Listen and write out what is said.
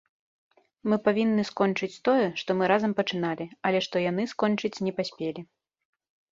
Мы павінны скончыць тое, што мы разам пачыналі, але што яны скончыць не паспелі.